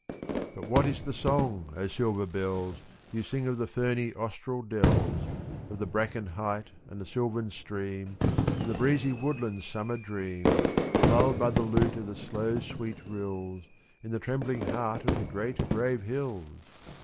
But what is the song, O silver bells, You sing of the ferny Austral dells, Of the bracken height, and the sylvan stream, And the breezy woodland's summer dream, Lulled by the lute of the slow sweet rills In the trembling heart of the great grave hills?